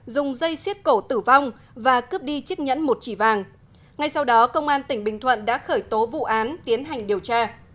dùng dây xiết cổ tử vong và cướp đi chiếc nhẫn một chỉ vàng ngay sau đó công an tỉnh bình thuận đã khởi tố vụ án tiến hành điều tra